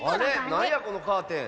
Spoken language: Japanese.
なんやこのカーテン。